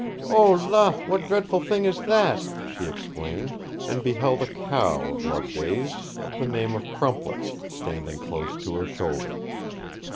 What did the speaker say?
'O la! what dreadful thing is it?' she exclaimed, and beheld a cow of Loveday's, of the name of Crumpler, standing close to her shoulder.